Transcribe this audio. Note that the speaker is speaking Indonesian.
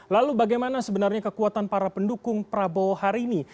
lalu bagaimana sebenarnya kekuatan para pendukung prabowo hari ini